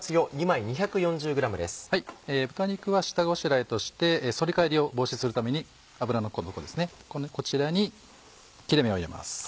豚肉は下ごしらえとして反り返りを防止するために脂のこちらに切れ目を入れます。